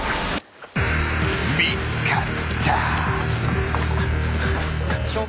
［見つかった］